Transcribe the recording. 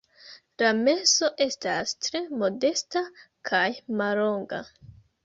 La meso estas tre modesta kaj mallonga.